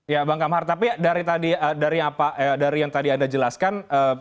ya bang kamar tapi dari tadi dari yang tadi anda jelaskan